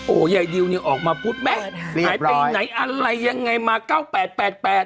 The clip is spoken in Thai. โอ้โหยายดิวนี่ออกมาพูดแม่หายไปไหนอะไรยังไงมาเก้าแปดแปดแปด